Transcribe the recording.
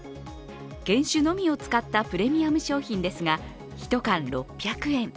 原酒のみを使ったプレミアム商品ですが１缶６００円。